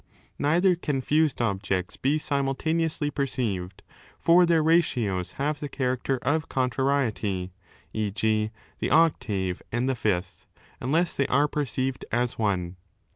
Neither can fused objects be simultaneously perceived, for their ratios have the character of contrariety, e.ij. the octave and the fifth, unless they are perceived as one.